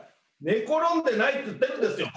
寝転んでないって言ってるんですよ。